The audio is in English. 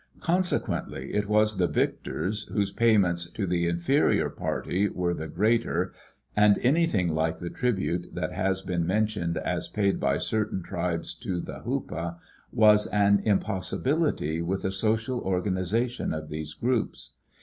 Consequently it was the victors whose payments to the inferior party were the greater, and anything like the tribute that has been mentioned as paid by certain tribes to the Hupa was an impossibility with the social organization of these groups.